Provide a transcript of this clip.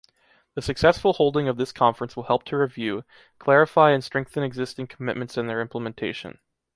The successful holding of this Conference will help to review, clarify and strengthen existing commitments and their implementation.